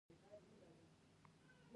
ایا زه د پوستکي سپینولو کریم کارولی شم؟